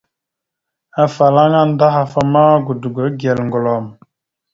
Afalaŋa anda ahaf ma, godogo igal gəlom.